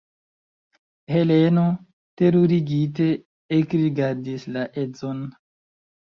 Heleno terurigite ekrigardis la edzon.